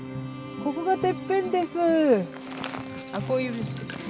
ここがてっぺんです。